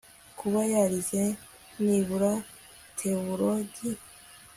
Kuba yarize nibura Tewologi